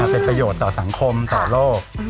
เป็นประโยชน์ต่อสังคมต่อโลก